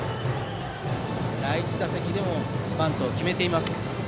第１打席でもバントを決めています。